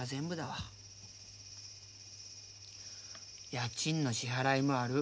家賃の支払いもある。